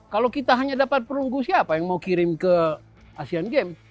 kalau kita hanya dapat perunggu siapa yang mau kirim ke asean games